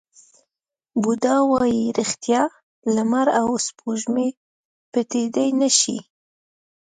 بودا وایي ریښتیا، لمر او سپوږمۍ پټېدای نه شي.